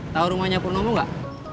tau rumahnya pur nomo gak